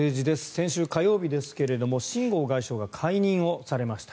先週火曜日ですけども秦剛外相が解任されました。